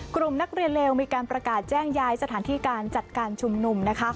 กลุ่มนักเรียนเลวมีการประกาศแจ้งย้ายสถานที่การจัดการชุมนุมนะคะ